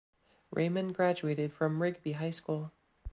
Raymond graduated from Rigby High School.